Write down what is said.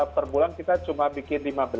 perbulan kita cuma bikin lima belas frame